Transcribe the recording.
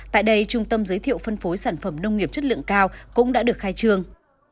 tại đây trung tâm giới thiệu phân phối sản phẩm nông nghiệp chất lượng cao cũng đã được khai trương